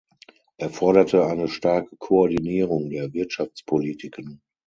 Er forderte eine starke Koordinierung der Wirtschaftspolitiken.